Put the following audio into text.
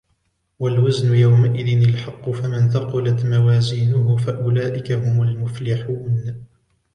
وَالْوَزْنُ يَوْمَئِذٍ الْحَقُّ فَمَنْ ثَقُلَتْ مَوَازِينُهُ فَأُولَئِكَ هُمُ الْمُفْلِحُونَ